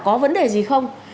có vấn đề gì không